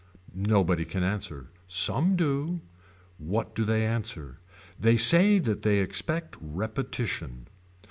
Nobody can answer. Some do. What do they answer. They say that they expect repetition.